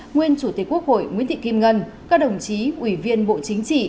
nguyên chủ tịch quốc hội nguyễn thị kim ngân các đồng chí ủy viên bộ chính trị